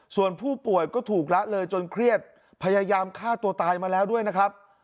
ส่วนผู้ป่วยก็ถูกละเลยจนเครียดพยายามฆ่าตัวตายมาแล้วด้วยนะครับ